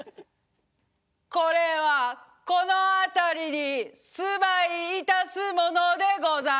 「これはこのあたりに住まいいたすものでござる」。